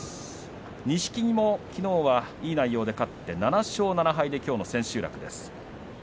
錦木もきのうはいい内容で勝って７勝７敗できょうの千秋楽です。